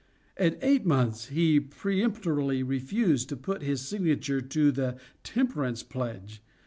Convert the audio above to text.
At eight months he peremptorily refused to put his signature to the Temperance pledge.